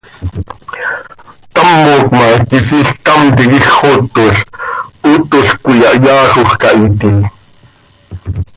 Thamoc ma, quisiil ctam tiquij xootol, ootolc coi ha yaajoj cah itii.